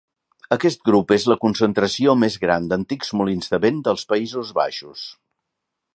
Aquest grup és la concentració més gran d'antics molins de vent dels Països Baixos.